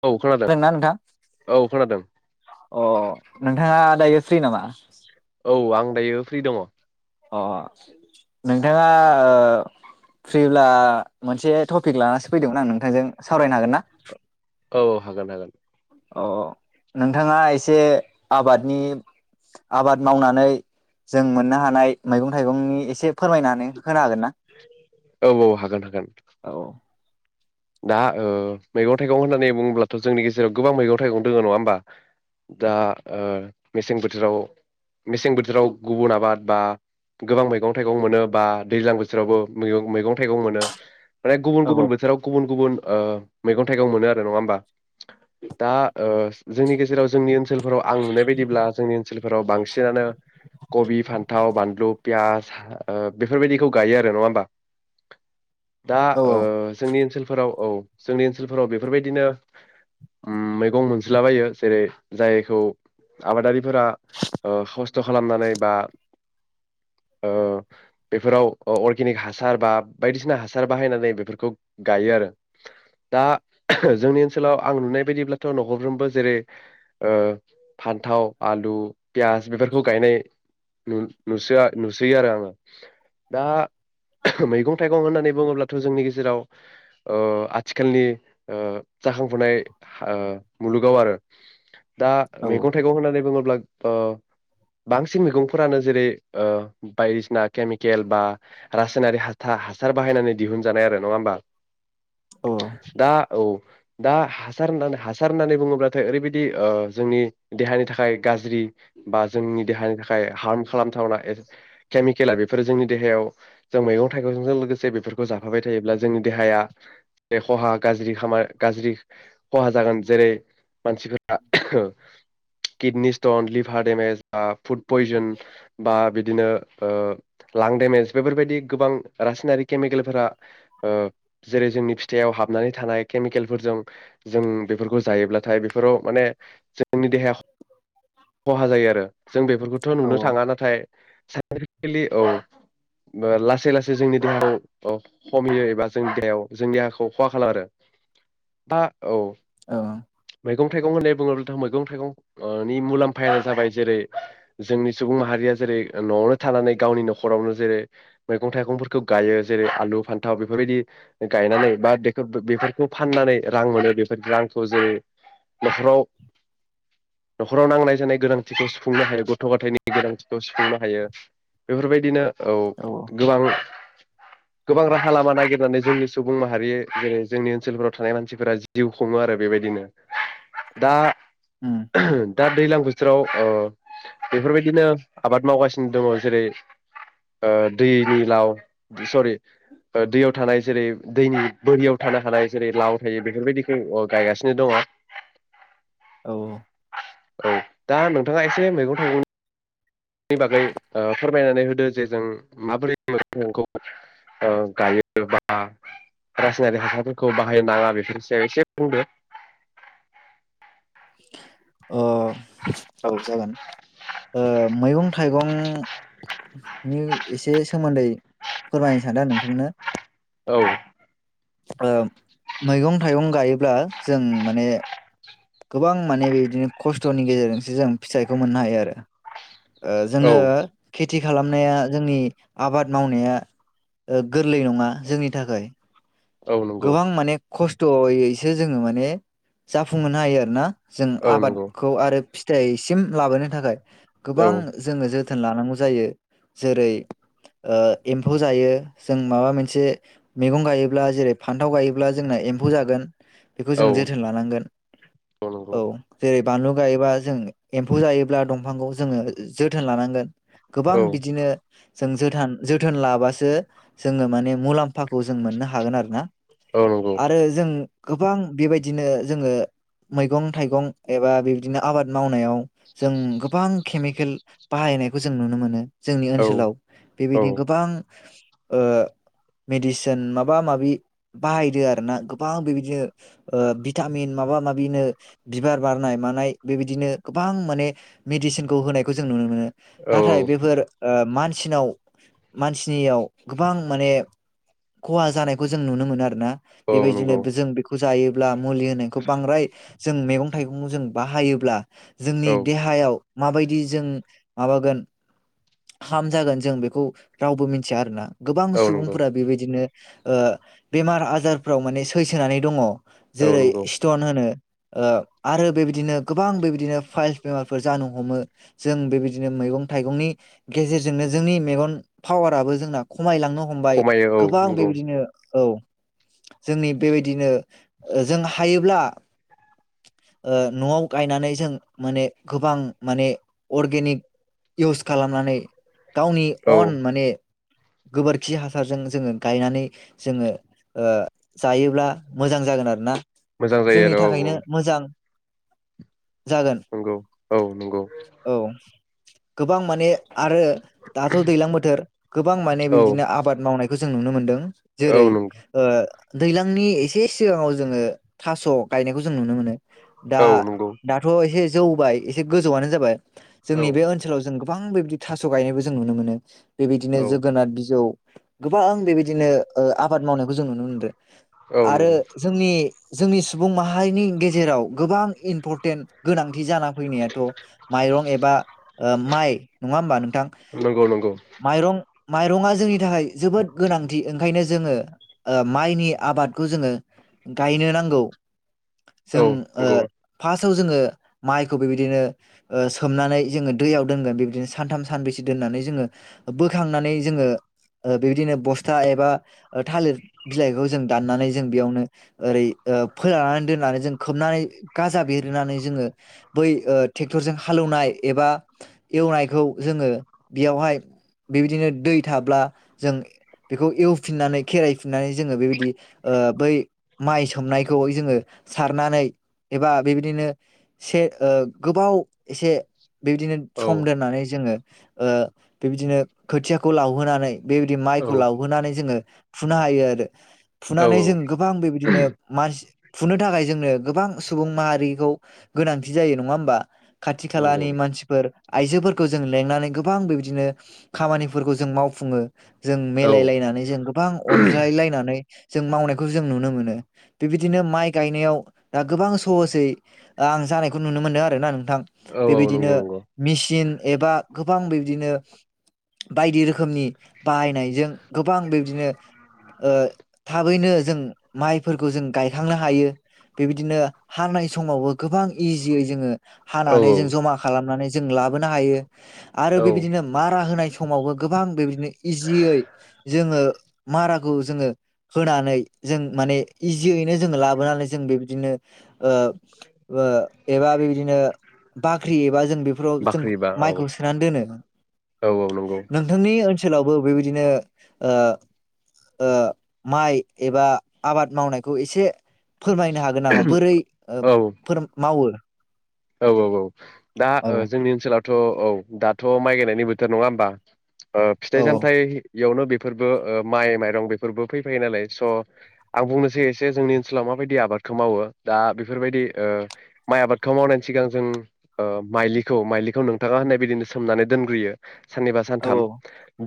औ खोनादों खोनादोंना नोंथां औ खोनादों अ नोंथाङा दायो फ्रि नामा औ आं दायो फ्रि दङ अ नोंथाङा ओ फ्रिब्ला मोनसे टपिक लानानैसो फैदोंमोन आं नोंथांजों सावरायनो हागोन ना औ औ हागोन हागोन अ नोंथाङा एसे आबादनि आबाद मावनानै जों मोननो हानाय मैगं थाइगंनि एसे फोरमायनानै होनो हागोन ना? औ औ हागोन हागोन औ दा ओ मैगं थाइगं होननानै बुङोब्लाथ' जोंनि गेजेराव गोबां मैगं थाइगं दङ नङा होमबा दा ओ मेसें बोथोराव मेसें बोथोराव गुबुन आबाद बा गोबां मैगं थाइगं मोनो बा दैज्लां बोथोरावबोै मैगं थाइगं मोनो माने गुबुन औ गुबुन बोथोराव गुबुन गुबुन ओ मैगं थाइगं मोनो आरो नङा होमबा दा ओ जोंनि गेजेराव जोंनि ओनसोल ओनसोलफोराव आं नुनाय बायदिब्ला जोंनि ओनसोलफोराव बांसिनानो कबि फान्थाव बानलु पियास हा ओ बेफोरबायदिखौ गायो आरो नङा होमबा दा औ ओ जोंनि ओनसोलफोराव औ जोंनि ओनसोलफोराव बेफोरबायदिनो ओम मै गं मोनसोला बायो जेरै जायखौ आबादारिफोरा ओ खस्थ' खालामनानै बा ओ बेफोराव अर्गेनिक हासार बा बायदिसिना हासार बाहायनानै बेफोरखौ गायो आरो दा जोंनि ओनसोलाव आं नुनाय बायदिब्लाथ' न'खरफ्रोमबो जेरै ओ फान्थाव आलु पियास बेफोरखौ गायनाय नु नुसोआ नुसोयो आरो आङो दा मैगं थाइगं होननानै बुङोब्लाथ' जोंनि गेजेराव ओ आथिखालनि ओ जाखांफुनाय ओ मुलुगाव आरो दा औ मैगं थाइगं होननानै बुङोब्ला ओ बांसिन मैगंफोरानो जेरै ओ बायदिसिना केमिकेल बा रासायनारि हा हासार बाहायनानै दिहुनजानाय आरो नङा होमबा औ दा औ दा हासार होननानै हासार होननानै बुङोब्लाथाय ओरैबायदि जोंनि देहानि थाखाय गाज्रि बा जोंनि देहानि थाखाय हार्म खालामथावना केमिकेला बेफोरो जोंनि देहायाव जों मैगं थाइगंजों लोगोसे बेफोरखौ जाफाबाय थायोब्ला जोंनि देहाया बे खहा गाज्रि खामानि गाज्रि खहा जागोन जेरै मानसिफोरा किडनि सिटन लिफार डेमेे ओ फुड पयजन बा बिदिनो ओ लां देमेज बेफोरबायदि गोबां रासायनारि केमिकेलफोरा ओ जेरै जोंनि फिथाइयाव हाबनानै थानाय केमिकेलफोरजों जों बेफोरखौ जायोब्लाथाय बेफोराव माने जों जोंनि देहाया खहा जायो आरो जों बेफोरखौथ' औ नुनो थाङा नाथाय सा [unintelligible] इनथेफिकिलि औ लासै लासै जोंनि देहायाव औ खमियो जेब्ला जोंनि देहायाव जोंनि देहाखौ खहा खालामा आरो औ मैगं-थाइगं होननाय [unintelligible] मैगं थाइगं नि मुलाम्फानो जाबाय जेरै जोंनि सुबुं माहारिया जेरै न'आवनो थानानै गावनि न'खरावनो जेरै मैगं थाइगंफोरखौ गायो जेरै आलु, फान्थाव बेफो बेफोरबायदि गायनानै बा बे बेफोरखौ फाननानै रां मोनो बेफोर रांखौ जों न'खराव न'खराव नांनाय जानाय गोनांथिखौ सुफुंनो हायो गथ' गथायनि गोनांथिखौ सुफुंनो हायो बेफोर बायदिनो औ गोबां गोबां राहा ला मा नागिरनानै जोंनि सुबुं माहारि जेरै जोंनि ओनसोलफोराव थानाय मानसिफोरा जिउ खुङो आरो बेबायदिनो दा उम दा दैलां बोथोराव ओ बेफोर बायदिनो आबाद मावगासिनो दङ जेरै ओ दैनि लाव सरि ओ दैयाव थानाय जेरै दैनि बोरियाव थानो हानाय जेरै लाव थायो बेफोरबायदिखौ गायगासिनो दङ। औ औ। औ दा नोंथाङा एसे मैगं-थाइगंनि बेनि बागै फोरमायनानै होदो जे जों माबोरै मैगंखौ ओ गायो बा रासायनारिक हासारफोरखौ बाहायनो नाङा बेफोरनि सायाव एसे बुंदो [inaudible] ओ ओ जागोन मैगं-थाइगंनि एसे सोमोन्दै फोरमायनो सानदों नों थांनो औ ओ मैगं-थाइगं गायोब्ला जों माने गोबां माने बिदिनो खस्थ'नि गेजेरजोंसो जों फिथाइखौ मोननो हायो आरो। ओ औ जोङोे खे खेथि खालामनाया जोंनि आबाद मावनाया गोरलै नङा जोंनि थाखाय। औ नंगौ गोबां माने खस थ'यैसो जोङो माने जा फुंहो हायो आरो ना। जों औ नंगौ आबादखौ आरो फि फिथाइसिम लाबोनो थाखाय। औ गोबां जोङो जोथोन लानांगौ जायो जेरै ओ एम्फौ जायो जों माबा मोनसे मैगं गायोब्ला जेरै फान्थाव गायोब्ला जोंना एम्फौ जागो बेखौ औ जोङो जोथोन लानांगोन। औ जों जेरै बानलु गायोब्लाा जों एम्फौ जायोब्ला दंफांखौ जोङो जोथोन लानांगोन गोबां औ बिदिनो जों जोथान-जोथोन लाबासो जोङो माने मुलाम्फाखौ जों मोननो हागोन आरो ना औ नंगौ आरो जों गोबां बेबायदिनो जोङो मैगं थाइगं एबा बेबदिनो आबाद मावनायाव जों गोबां केमिकेल बाहायनायखौ जों नुनो मोनो जोंनि औ ओनसोलाव औ बेबायदि गोबां ओ मेडिसिन माबा माबि बाहायदो आरोना गोबां बेबायदिनो ओ भिटामिन माबा माबि बिनो बिबार बारनाय मानाय बेबायदिनो गोबां माने मेडिसिनखौ होनायखौ जों नुनो मोनो नाथाय औ बेफोर ओ मान मानसिनाव मानसिनियाव गोबां माने खहा जानायखौ जों नुनो मोनो आरोना औ बेबायदिनो नंगौ जों बेखौ जायो मुलि होनायखौ बांद्राय जों मेगं थाइगं जों बाहायोब्ला जोंनि औ देहायाव माबायदि जों माबागोन [unintelligible] जागोन जों बेखौ रावबो मिथिया आरोना गोबां औ नंगौ सुबुंफोरा बेबायदिनो ओ बेमार आजारफ्राव माने सैसोनानै दङ औ जेरै नंगौ स्टन होनो ओ आरो बेबायदिनो गोबां बेबायदिनो फाइलस बेमारफोर जानो हमो जों बेबायदिनो मैगं थाइगंनि गेजेरजोंनो जोंनि मेगन पावाराबो जोंना खम खमायलांनो हमबाय खमायो औ गोबां नंगौ बेबायदिनो औ जोंनि बेबायदिनो जों हायोब्ला ओ न'आव गायनानै जों माने गोबां माने अर्गेनिक इउस खालामनानै गावनि औ अन माने गोबोरखि हासारजों जोङो गायनानै जोङो ओ जायोब्ला मोजां जागोन आरोना मोजां जायो जोंनि आरो औ औ थाखायनो मोजां जागोन नंगौ औ नंगौ औ गोबां माने आरो दाथ' दैलां बोथोर गोबां माने औ बिबदिनो आबाद मावनाय जों नुनो मोन्दों औ जेरै नंगौ ओ दैलांनि एसे सिगाङाव जोङो थास' गायनायखौ जों नुनो मोनो दा औ नंगौ दाथ' एसे जौबाय एसे गोजौवनो जाबाय औ जोंनि बे ओनसोलाव जों गोबां बेबायदि थास' गायनायबो जों नुनो मोनो बेबायदिनो औ जोगोनाथ बिजौ गोबां बेबायदिनो ओ आबाद मावनायखौ जों नुनो मोनदों औ आरो नंगौ जोंनि जोंनि सुबुं माहारिनि गेजेराव गोबां इम्परटेन्ट गोनां ओंखि जाना फैनायाथ' माइरं एबा ओ माइ नङा होमबा नोंथां नंगौ नंगौ माइरं माइरंआ जोंनि थाखाय जोबोद गोनांथि ओंखायनो जोङो माइनि आबादखौ जोङो गायनो नांगौ जों औ ओ नंगौ फार्स्ट फार्टआव जोङो माइखौ बेबायदिनो ओ सोमनानै जोङो दैयाव दोनगोन बेबायदिनो सानथाम सानबेसे दोननानै जोङो बोखांनानै जोङो ओ बेबायदिनो बस्था एबा थालिर बिलाइखौ जों दाननानै जों बेयावनो ओरै ओ फोराननानै दोननानै जों खोबनानै गाजा बेरोननानै जोङो बै ओ ट्रेक्टरजों हालेवनाय एबा एवनायखौ जोङो बेयावहाय बेबायदिनो दै थाब्ला जों बेखौ एवफिननानै खेरायफिननानै जोङो बेबायदि बै माइ सोमनायखौ खौ जोङो सारनानै एबा बेबायदिनो गोबाव एसे बेबायदिनो औ सम दोननानै जोङो ओ बेबायदिनो खोथियाखौ लावहोनानै बेबायदि औ माइखौ लावहोनानै जोङो फुना हायो आरो फुनानै औ जों गोबां बेबायदिनो मानसि फुनो थाखाय जोंनो गोबां सुबुं माहारिखौ गोनांथि जायो नङा होमबा खाथि नंगौ खालानि मानसिफोर आइजोफोरखौ जों लेंनानै गोबां बेबायदिनो खामानिफोरखौ जों मावफुङो जों औ मेलाय लायनानै जों गोबां अनज्लाय लायनानै जों मावनायखौ जों नुनो मोनो बेबायदिनो माइ गायनायाव दा गोबां सहसै आं जानायखौ नुनो मोनो आरो ना नों थां औ औ बेबायदिनो नंगौ नंगौ मिचिन एबा गोबां बिदिनो बायदि रोखोमनि बाहायनायजों गोबां बेबदिनो ओ थाबैनो जों माइफोर खौ जों गायखांनो हायो बेबायदिनो हानाय समावबो गोबां इजियै जोङो औ हानानै जों जमा खालामनानै जों लाबोनो हायो आरो औ बेबायदिनो मारा होनाय सम समावबो गोबां बेबायदिनो इजियै जोङो माराखौ जोङो होनानै जों माने इजियैनो जोङो लाबोनानै जों बेबायदिनो ओ ओ एबा बेबायदिनो बाख्रि एबा जों बेफोराव जों बाख्रिबा औ माइखौ सोनानै दोनो औ औ नंगौ नोंथांनि ओन-' ओनसोलावबो बेबायदिनो ओ ओ माइ एबा आबाद मावनायखौ एसे फोरमायनो हागोन नामा बोरै ओ औ फोर मावो औ औ औ दा औ ओ जोंनि ओनसोलावथ' औ दा थ' माइ गायनायनि बोथोर नङा होमबा ओ फिथाइ औ सामथायाइयावनो बे बेफोरबो ओ माइ माइरं बेफोरबो फैफायो नालाय स आं बुंनोसै एसे जोंनि ओनसोलाव माबायदि आबादखौ मावो दा बेफोरबायदि ओ माइ आबादखौ मावनायनि सिगां जों ओ माइलिखौ माइलिखौ नोंथाङा होननाय बिदिनो सोमनानै दोनग्रोयो साननिबा औ सानथाम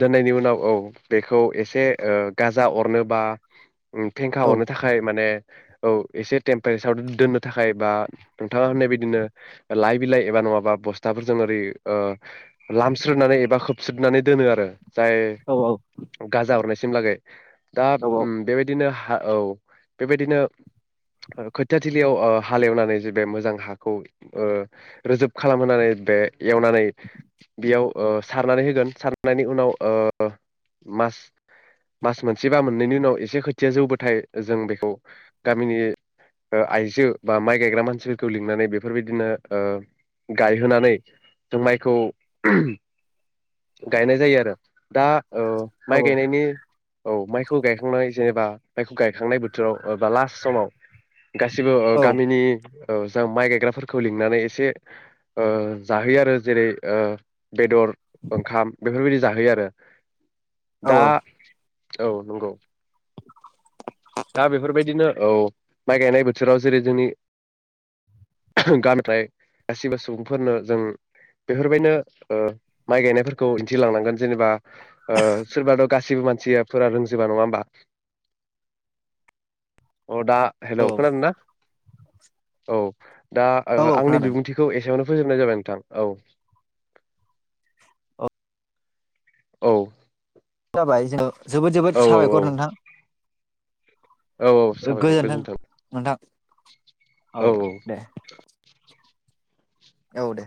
दोननायनि उनाव औ बेखौ एसे ओ गाजा अरनोबा ओम फेंखा हरनो थाखाय माने औ एसे टेम्पारेसाराव दोननो थाखाय बा नोंथाङा होननाय बायदिनो लाइ बिलाइ एबा नङाबा बस्थाफोरजों ओरै ओ लामस्रदनानै एबा खोबस्रोदनानै दोनो आरो जाय औ गाजा अरनाय सिमलागै दा औ ओम बेबायदिनो हा हा औ बेबायदिनो खोथियाथिलियाव ओ हालेवनानै जे बे मोजां हाखौ ओ रोजोब खालामहोनानै बे एवनानै बेयाव ओ सारनानै होगोन सारनायनि उनाव ओ मास मास मोनसे बा मोननैनि उनाव एसे खोथिया जौबाथाय जों बेखौ गामिनि ओ आइजो बा माइ गायग्रा मानसिफोरखौ लिंनानै बे बेफोरबायदिनो ओ गायहोनानै जों माइखौ गायनाय जायो आरो दा औ माइ गायनायनि औ माइखौ गायखांनाय जेनेबा माइखौ गायखांनाय बोथोराव ओ बा लास्ट समाव गासिबो ओ औ गामिनि जों माइ गायग्राफोरखौ लिंनानै एसे ओ जाहोयो आरो जेरै ओ बेदर ओंखाम बेफोरबायदि जाहोयो आरो दा औ औ नंगौ दा बेफोरबायदिनो औ माइ गायनाय बोथोराव जेरै जोंनि गामिफ्राय गासैबो सुबुंफोरनो जों बेफोरबायदिनो ओ माइ गायनायफोरखौ दिन्थिलांनांगोन जेनेबा ओ सोरबाथ' गासिबो मानसिफोरा रोंजोबा नङा होमबा अ दा हेलौ खोनादों ना? औ दा औ औ आंनि खोनादों बिबुंथिखौ एसेयावनो फोजोबनाय जाबाय नोंथां औ औ औ जाबायजो जोबोद जोबोद औ औ औ साबायखर नोंथां औ औ साबायखर गोजोन्थों गोजोनथों नोंथां औ औ ओ दे